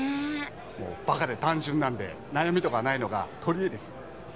もうバカで単純なんで悩みとかないのが取りえです。